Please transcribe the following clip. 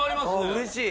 うれしい。